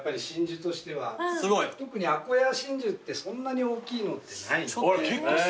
すごい？特にあこや真珠ってそんなに大きいのってないので。